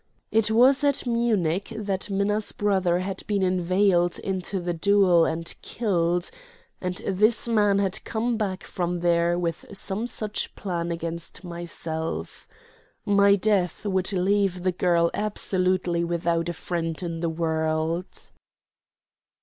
It was at Munich that Minna's brother had been inveigled into the duel and killed, and this man had come back from there with some such plan against myself. My death would leave the girl absolutely without a friend in the world.